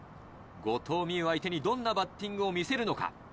後藤希友相手にどんなバッティングを見せるのか。